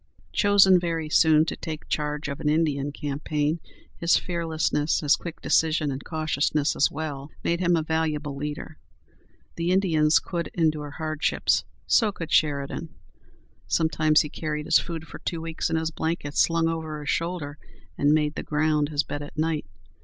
Chosen very soon to take charge of an Indian campaign, his fearlessness, his quick decision and cautiousness as well, made him a valuable leader. The Indians could endure hardships; so could Sheridan. Sometimes he carried his food for two weeks in his blanket, slung over his shoulder, and made the ground his bed at night.